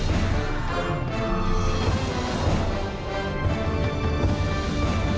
และเป็นการสะดับใช้การแปลกของเรา